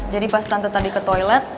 jadi pas tante tadi ke toilet